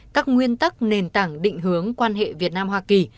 các nguyên tắc nền tảng định hướng quan hệ việt nam hoa kỳ